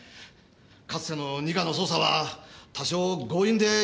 かつての二課の捜査は多少強引で行き過ぎな点も。